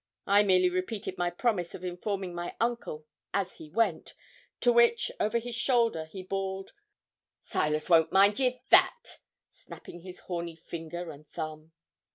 I merely repeated my promise of informing my uncle as he went, to which, over his shoulder, he bawled 'Silas won't mind ye that;' snapping his horny finger and thumb.